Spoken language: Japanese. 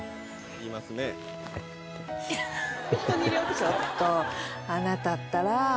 ちょっとあなたったら。